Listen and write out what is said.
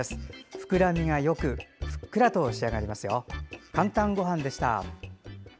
膨らみがよくふっくらと仕上がりますよ。